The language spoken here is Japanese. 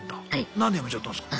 何で辞めちゃったんすか？